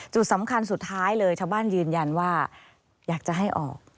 จุดสำคัญสุดท้ายเลยชาวบ้านยืนยันว่าอยากจะให้ออก